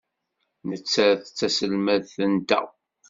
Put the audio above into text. Nettat d taselmadt-nteɣ.